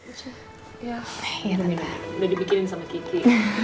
ya udah dibikinin sama kiki